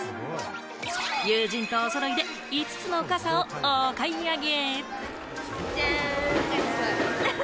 友人とお揃いで５つの傘をお買い上げ。